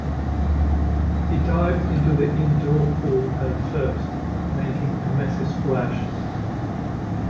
He dived into the indoor pool head first, making a messy splash.